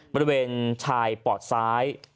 บริเวณชายปอดซ้าย